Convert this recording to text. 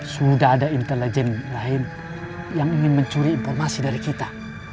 sudah ada intelijen lain yang ingin mencuri informasi dari kita